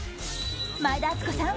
前田敦子さん